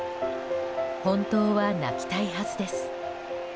本当は泣きたいはずです。